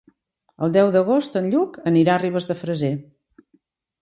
El deu d'agost en Lluc anirà a Ribes de Freser.